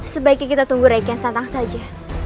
sebaiknya kita tunggu reknya santang saja